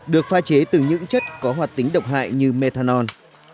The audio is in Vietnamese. được pha chế từ những chất có hoạt tính độc hại như methanol